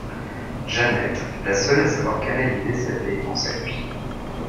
Jeannette, la seule à savoir canaliser sa véhémence à lui.